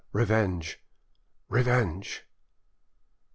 Revenge! revenge!"